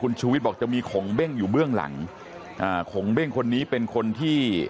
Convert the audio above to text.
ชูวิทย์บอกจะมีขงเบ้งอยู่เบื้องหลังอ่าขงเบ้งคนนี้เป็นคนที่